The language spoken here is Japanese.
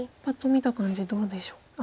パッと見た感じどうでしょう